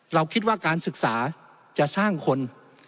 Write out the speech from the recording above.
เราคิดว่าการศึกษาจะสร้างคน